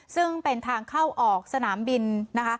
ซึ่งเป็นทางเข้าออกสนามบินนะคะ